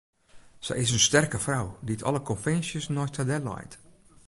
Sy is in sterke frou dy't alle konvinsjes neist har delleit.